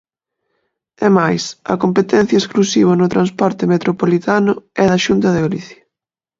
É máis, a competencia exclusiva no transporte metropolitano é da Xunta de Galicia.